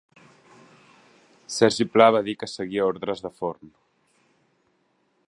Sergi Pla va dir que seguia ordres de Forn.